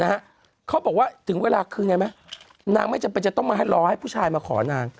เขาบอกว่าถึงเวลาคืนไงไหมนางไม่จำเป็นจะต้องมาให้รอให้ผู้ชายมาขอนาง